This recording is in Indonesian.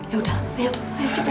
yaudah ayo cepat